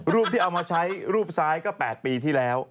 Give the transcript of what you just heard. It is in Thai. ที่เอามาใช้รูปซ้ายก็๘ปีที่แล้ว